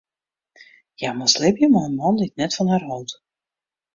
Hja moast libje mei in man dy't net fan har hold.